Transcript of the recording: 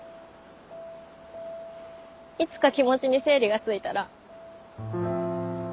いつか気持ちに整理がついたら。